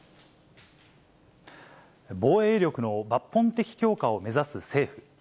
防衛力の抜本的強化を目指す政府。